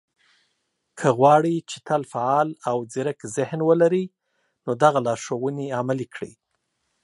که غواړئ، چې تل فعال او ځيرک ذهن ولرئ، نو دغه لارښوونې عملي کړئ